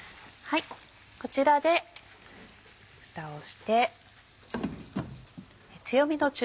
こちらでふたをして。